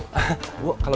terima kasih pak